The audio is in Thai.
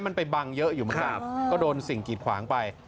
มันไปบังเยอะอยู่บ้างก็โดนสิ่งกรีดขวางไป